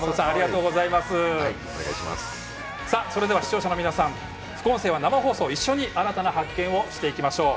それでは視聴者の皆さん副音声は生放送、一緒に新たな発見をしていきましょう。